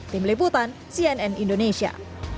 tim leputan cnn indonesia